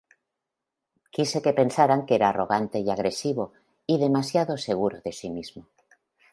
Quise que pensaran que era arrogante y agresivo y demasiado seguro de sí mismo.